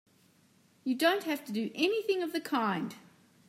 You don't have to do anything of the kind!